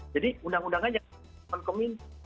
jadi undang undangnya yang mengemin